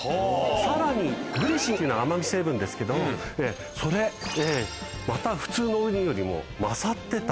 さらにグリシンっていうのは甘み成分ですけどそれまた普通のウニよりも勝ってた。